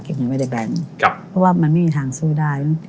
เก็บเงินไว้ในแบงค์เพราะว่ามันไม่มีทางสู้ได้